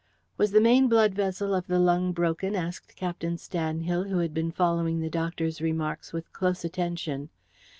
"Was the main blood vessel of the lung broken?" asked Captain Stanhill, who had been following the doctor's remarks with close attention.